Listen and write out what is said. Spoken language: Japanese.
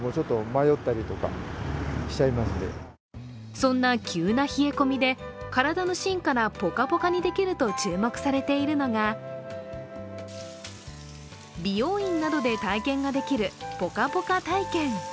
そんな急な冷え込みで、からだの芯からポカポカにできると注目されているのが美容院などで体験ができるぽかぽか体験。